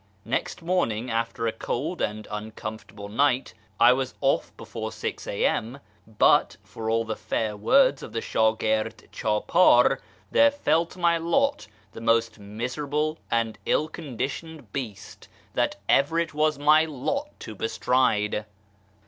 Next morning, after a cold and uncomfortable night, I was off before 6 a.m., but, for all the fair words of the shdgird phdpdr, there fell to my lot the most miserable and ill con ditioned beast that ever it was my lot to bestride.